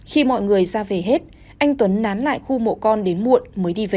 khi mọi người ra về hết anh tuấn nán lại khu mộ con đến muộn mới đi về